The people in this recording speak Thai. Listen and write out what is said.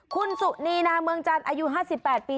คุณสุนีนาเมืองจันทร์อายุ๕๘ปี